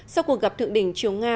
sau cuộc gặp thượng đỉnh triều nga